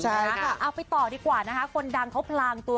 สำหรับนะคะเอาไปต่อดีกว่านะคะ